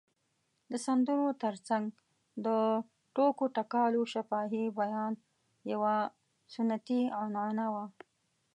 د سندرو تر څنګ د ټوکو ټکالو شفاهي بیان یوه سنتي عنعنه وه.